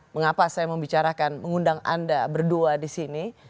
mengapa saya membicarakan mengundang anda berdua disini